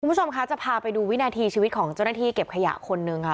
คุณผู้ชมคะจะพาไปดูวินาทีชีวิตของเจ้าหน้าที่เก็บขยะคนนึงค่ะ